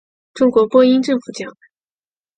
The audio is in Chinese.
中国播音政府奖。